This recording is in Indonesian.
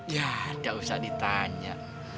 ya nggak usah ditanya